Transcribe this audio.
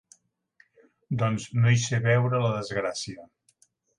Doncs no hi ser veure la desgracia.